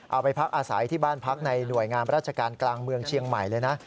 เอาไปพักอาศัยที่บ้านพักในหน่วยงามราชการกลางเมืองเชียงใหม่เลยนะ